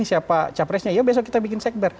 siapa capresnya ya besok kita bikin sekber